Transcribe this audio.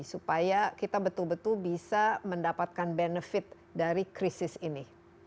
supaya kita betul betul bisa mendapatkan benefit dari krisis ini